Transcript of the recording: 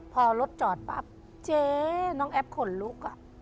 พอรถจอดปั๊บเจ๊น้องแอฟขนลุก